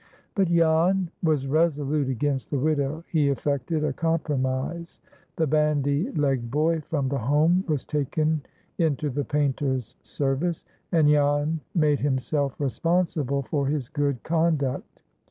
But Jan was resolute against the widow. He effected a compromise. The bandy legged boy from the Home was taken into the painter's service, and Jan made himself responsible for his good conduct.